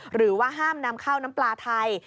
หรือว่าห้ามนำเข้าน้ำปลาไทย